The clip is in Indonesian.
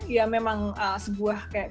ya memang sebuah kemampuan